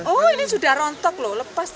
oh ini sudah rontok lho lepas ya